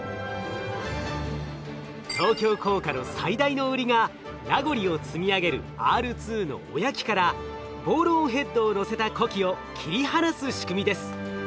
東京工科の最大の売りがラゴリを積み上げるＲ２の親機からボールオンヘッドをのせた子機を切り離す仕組みです。